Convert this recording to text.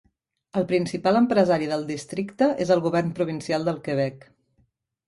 El principal empresari del districte és el govern provincial del Quebec.